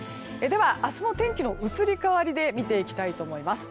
明日の天気の移り変わりで見ていきたいと思います。